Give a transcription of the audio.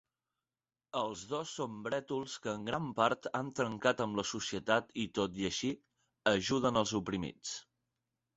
Els dos són brètols que en gran part han trencat amb la societat i tot i així, ajuden als oprimits.